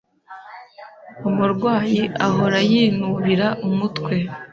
Umurwayi ahora yinubira umutwe.